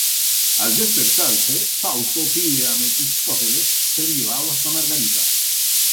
Al despertarse Fausto pide a Mefistófeles ser llevado hasta Margarita.